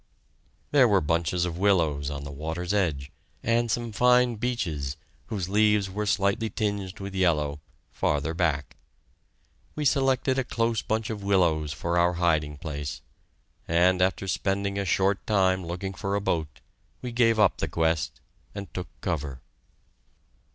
There were bunches of willows on the water's edge, and some fine beeches, whose leaves were slightly tinged with yellow, farther back. We selected a close bunch of willows for our hiding place, and after spending a short time looking for a boat, we gave up the quest, and took cover.